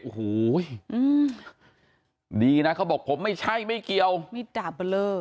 โอ้โหดีนะเขาบอกผมไม่ใช่ไม่เกี่ยวมิดดาบเบอร์เลอร์